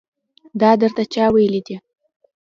دا درته چا ويلي دي.